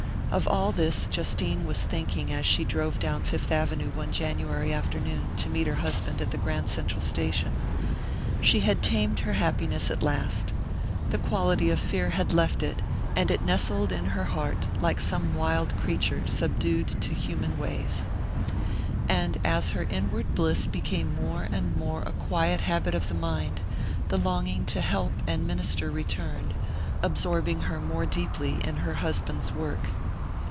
Of all this Justine was thinking as she drove down Fifth Avenue one January afternoon to meet her husband at the Grand Central station. She had tamed her happiness at last: the quality of fear had left it, and it nestled in her heart like some wild creature subdued to human ways. And, as her inward bliss became more and more a quiet habit of the mind, the longing to help and minister returned, absorbing her more deeply in her husband's work.